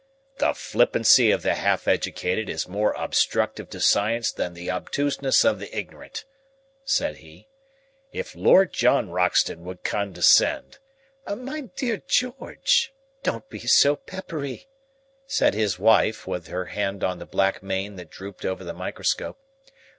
"The flippancy of the half educated is more obstructive to science than the obtuseness of the ignorant," said he. "If Lord John Roxton would condescend " "My dear George, don't be so peppery," said his wife, with her hand on the black mane that drooped over the microscope.